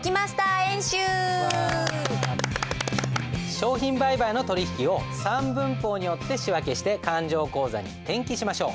商品売買の取引を３分法によって仕訳して勘定口座に転記しましょう。